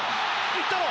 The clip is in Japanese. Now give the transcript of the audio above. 行ったろ！